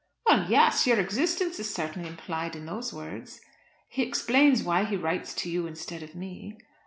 "Well, yes! Your existence is certainly implied in those words." "He explains why he writes to you instead of me."